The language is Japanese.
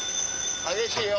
激しいよ。